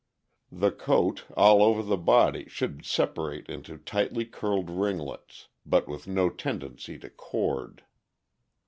The coat, all over the body, should separate into tightly curled ringlets, but with no tendency to cord.